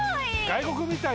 外国みたい。